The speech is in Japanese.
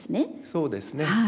そうですね。